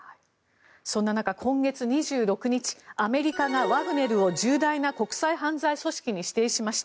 そんな中、今月２６日アメリカがワグネルを重大な国際犯罪組織に指定しました。